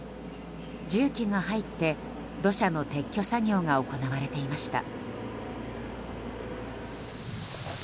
重機が入って、土砂の撤去作業が行われていました。